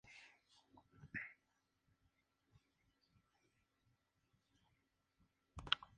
La pareja tiene tres hijos, Dylan, Natasha y Brittany.